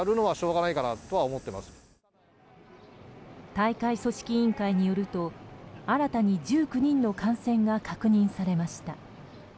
大会組織委員会によると新たに１９人の感染が確認されました。